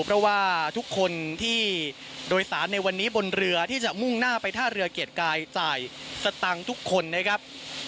เพราะว่าทุกคนที่โดยสารในวันนี้บนเรือที่จะมุ่งหน้าไปท่าเรือเกียรติกายจ่ายสตังค์ทุกคนนะครับ